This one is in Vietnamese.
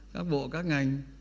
các bộ các ngành